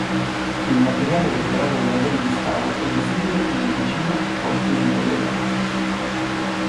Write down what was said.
Il materiale recuperato nei lavori di scavo è visibile nel vicino Forte di Bellegarde.